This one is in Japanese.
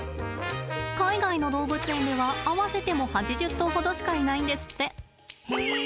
海外の動物園では合わせても８０頭ほどしかいないんですって。